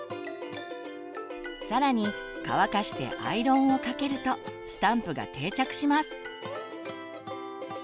更に乾かしてアイロンをかけるとスタンプが定着します。